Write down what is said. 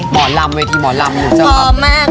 หมอลำเวทีหมอลำหนูเจ้าครับ